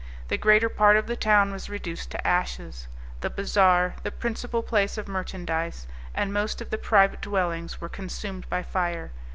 The greater part of the town was reduced to ashes. The bazaar, the principal place of merchandize, and most of the private dwellings were consumed by fire.